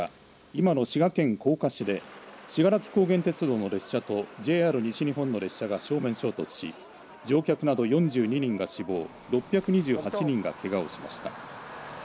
今の滋賀県甲賀市で信楽高原鉄道の列車とＪＲ西日本の列車が正面衝突し乗客など４２人が死亡６２８人が、けがをしました。